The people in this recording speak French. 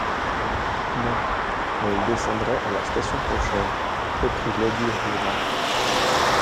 Non, mais il descendrait à la station prochaine, reprit lady Helena.